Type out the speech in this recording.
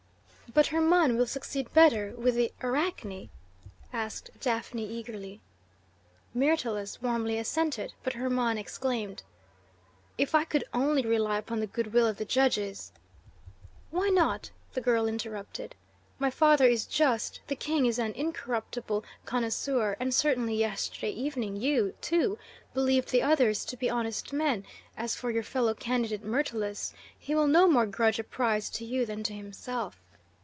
"But Hermon will succeed better with the Arachne?" asked Daphne eagerly. Myrtilus warmly assented, but Hermon exclaimed: "If I could only rely upon the good will of the judges!" "Why not?" the girl interrupted. "My father is just, the king is an incorruptible connoisseur, and certainly yesterday evening you, too, believed the others to be honest men; as for your fellow candidate Myrtilus, he will no more grudge a prize to you than to himself."